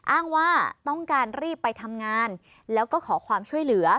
อ้างว่าต้องการรีบไปทำงานแล้วก็ขอความช่วยเหลือ